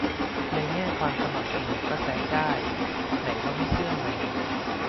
ในแง่ความสม่ำเสมอก็แซะได้ ไหนว่าไม่เชื่อไง